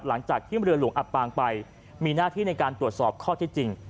หลังจากที่เรือหลวงอับปางไปมีหน้าที่ในการตรวจสอบข้อที่จริง